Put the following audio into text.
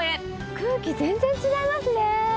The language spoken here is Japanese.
空気全然違いますね。